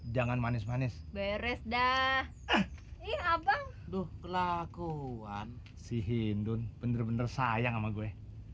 jangan manis manis beres dah ih abang tuh kelakuan sih hindun bener bener sayang sama gue